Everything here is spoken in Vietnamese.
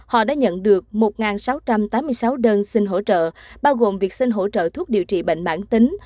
họ đã nhận được một sáu trăm tám mươi sáu đơn xin hỗ trợ bao gồm việc xin hỗ trợ thuốc điều trị bệnh mãn tính